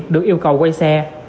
được yêu cầu quay xe